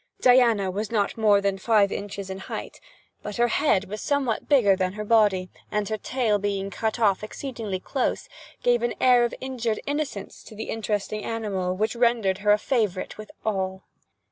Diana was not more than five inches in height, but her head was somewhat bigger than her body, and her tail being cut off exceedingly close, gave an air of injured innocence to the interesting animal which rendered her a favorite with all.